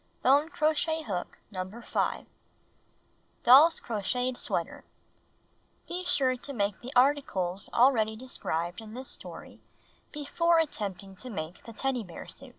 Bone crochet hook No. 5. W Doll's Crocheted Sweater (Be sure to make the articles already described in this story before attempting to make the Teddy Bear Outfit.)